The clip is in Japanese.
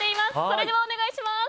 それではお願いします！